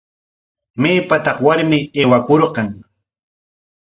¿Maypataq warmi aywakurqan?